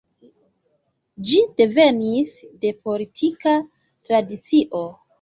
Ĝi devenis de politika tradicio.